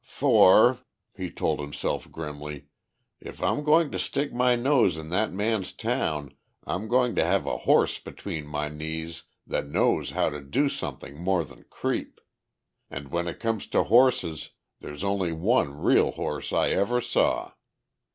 "For," he told himself grimly, "if I'm going to stick my nose in that man's town I'm going to have a horse between my knees that knows how to do something more than creep! And when it comes to horses there's only one real horse I ever saw.